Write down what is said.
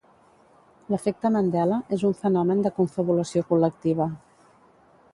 L'efecte Mandela, és un fenomen de confabulació col·lectiva.